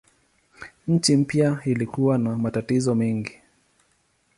Nchi mpya ilikuwa na matatizo mengi.